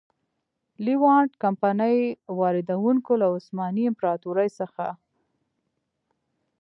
لېوانټ کمپنۍ واردوونکو له عثماني امپراتورۍ څخه.